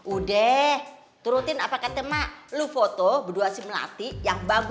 udah turutin apa kata mak lo foto berdua si melati yang bangga